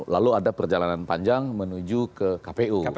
lalu ada perjalanan panjang menuju ke kpu